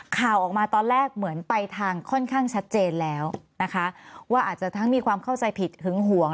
ข่าวออกมาตอนแรกเหมือนไปทางค่อนข้างชัดเจนแล้วนะคะว่าอาจจะทั้งมีความเข้าใจผิดหึงหวง